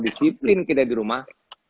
disiplin tidak di rumah